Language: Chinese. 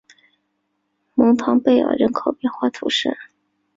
蒙唐贝尔人口变化图示